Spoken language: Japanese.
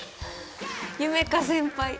夢叶先輩！